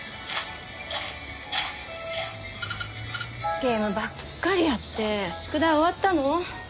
ゲームばっかりやって宿題終わったの？